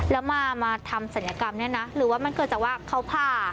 แล้วมาทำศัลยกรรมเนี่ยนะหรือว่ามันเกิดจากว่าเขาผ่า